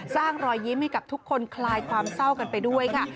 รอยยิ้มให้กับทุกคนคลายความเศร้ากันไปด้วยค่ะ